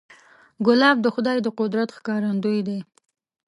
ګلاب د خدای د قدرت ښکارندوی دی.